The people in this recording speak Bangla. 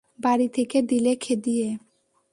বাড়ি থেকে দিলে খেদিয়ে।